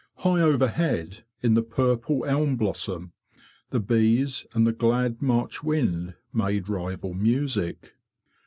High overhead, in the purple elm blossom, the bees and the glad March wind made rival music.